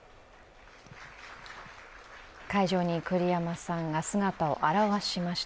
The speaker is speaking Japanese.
会場に栗山さんが姿を現しました。